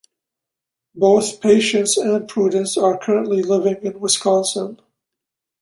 Both Patience and Prudence are currently living in Wisconsin.